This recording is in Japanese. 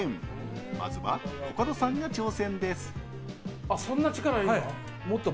まずはコカドさんが挑戦。